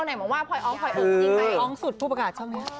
นักว่างงี้